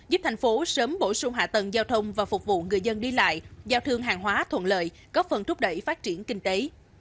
giúp thành phố sớm bổ sung hạ tầng giao thông và phục vụ người dân đi lại giao thương hàng hóa thuận lợi góp phần thúc đẩy phát triển kinh tế